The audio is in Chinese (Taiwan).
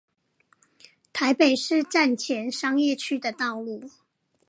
台北市站前商業區的道路